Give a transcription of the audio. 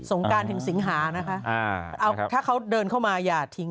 งการถึงสิงหานะคะเอาถ้าเขาเดินเข้ามาอย่าทิ้ง